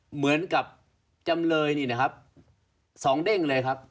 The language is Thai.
เหมือนกับจำเลยสองเด้งเลยครับ